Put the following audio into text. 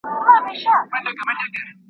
که موږ انټرنیټ سم وکاروو نو خلاقیت مو زیاتیږي.